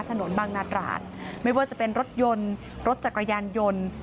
ถนนบางนาตราดไม่ว่าจะเป็นรถยนต์รถจักรยานยนต์